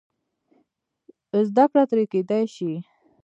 زده کړه ترې کېدای شي.